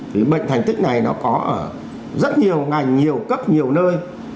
thì bệnh thành tích này nó có ở rất nhiều ngành nhiều cấp nhiều nơi